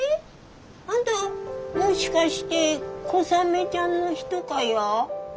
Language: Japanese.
あんたもしかしてコサメちゃんの人かや？